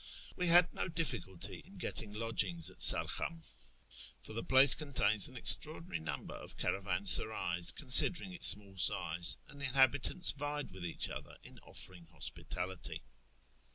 We had no ditliculty in getting lodgings at Sarcham, for the place contains an extraordinary number of caravansarays, considering its small size, and the inhabitants vied with each other in offering hospitality.